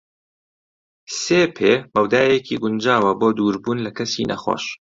سێ پێ مەودایەکی گونجاوە بۆ دووربوون لە کەسی نەخۆش.